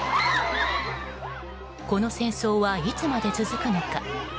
この戦争はいつまで続くのか。